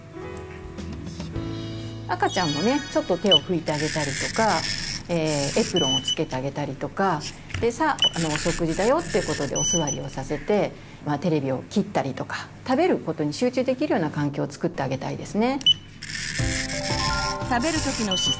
赤ちゃんもねちょっと手を拭いてあげたりとかエプロンをつけてあげたりとか「さあお食事だよ」っていうことでお座りをさせてテレビを切ったりとか食べることに集中できるような環境をつくってあげたいですね。